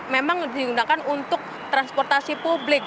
memang digunakan untuk transportasi publik